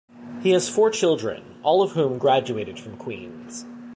He has four children, all of whom graduated from Queen's.